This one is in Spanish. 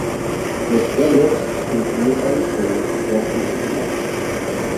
Los play-offs empiezan con los cuartos de final.